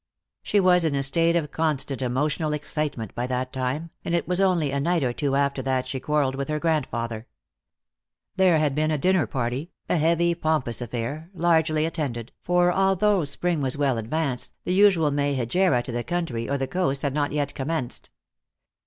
She was in a state of constant emotional excitement by that time, and it was only a night or two after that she quarreled with her grandfather. There had been a dinner party, a heavy, pompous affair, largely attended, for although spring was well advanced, the usual May hegira to the country or the coast had not yet commenced.